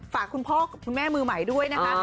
ฝากคุณพ่อคุณแม่มือใหม่ด้วยนะคะ